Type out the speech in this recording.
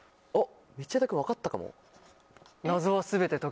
道枝君分かったかも？